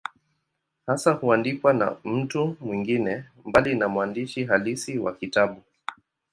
Hasa huandikwa na mtu mwingine, mbali na mwandishi halisi wa kitabu.